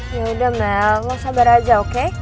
yaudah mel lo sabar aja oke